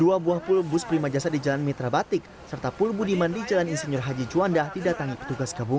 dua buah pul bus prima jasa di jalan mitra batik serta pul budiman di jalan insinyur haji juanda didatangi petugas gabungan